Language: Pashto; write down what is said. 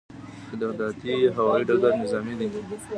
د دهدادي هوايي ډګر نظامي دی